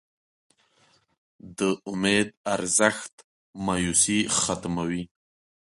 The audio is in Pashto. د امید ارزښت مایوسي ختموي.